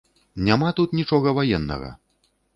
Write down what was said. Няма тут нічога ваеннага!